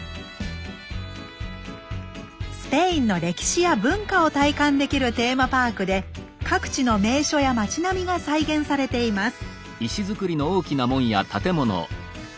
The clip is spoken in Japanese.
スペインの歴史や文化を体感できるテーマパークで各地の名所や町並みが再現されています。